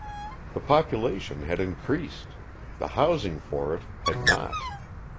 The population had increased; the housing for it had not.